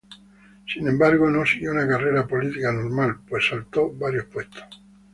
Sin embargo, no siguió una carrera política normal, pues saltó varios puestos.